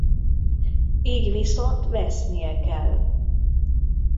Így viszont vesznie kell.